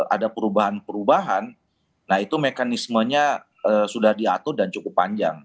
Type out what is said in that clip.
ada perubahan perubahan nah itu mekanismenya sudah diatur dan cukup panjang